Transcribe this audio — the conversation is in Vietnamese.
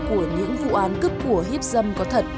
của những vụ án cướp của hiếp dâm có thật